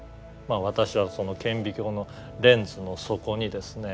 私はその顕微鏡のレンズの底にですね